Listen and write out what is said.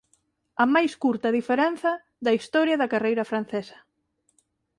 A máis curta diferenza da historia da carreira francesa.